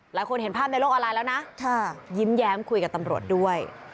หลายคนเห็นภาพในโลกอะไรแล้วนะยิ้มแย้มคุยกับตำรวจด้วย